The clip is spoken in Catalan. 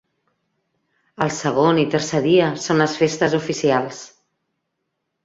El segon i tercer dia són les festes oficials.